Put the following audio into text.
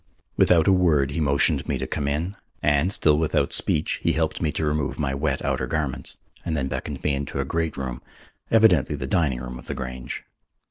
Without a word he motioned me to come in, and, still without speech, he helped me to remove my wet outer garments, and then beckoned me into a great room, evidently the dining room of the Grange.